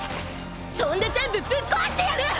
そんで全部ぶっ壊してやる！！